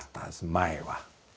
前は。